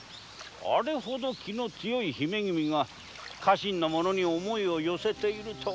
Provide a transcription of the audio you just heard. あれほど気の強い姫君が家臣の者に思いをよせていたとは。